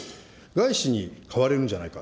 外資に買われるんじゃないか。